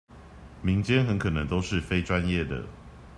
民間很可能都是非專業的